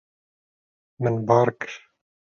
Min bar kir.